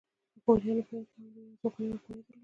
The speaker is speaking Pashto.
غوریانو په هند کې هم لویې او ځواکمنې واکمنۍ درلودې